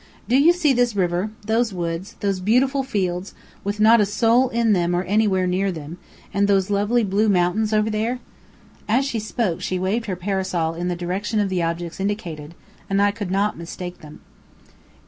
"Do you see this river, those woods, those beautiful fields, with not a soul in them or anywhere near them; and those lovely blue mountains over there?" as she spoke she waved her parasol in the direction of the objects indicated, and I could not mistake them.